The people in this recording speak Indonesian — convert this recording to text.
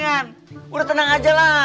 tidak tuhan udah tenang aja lah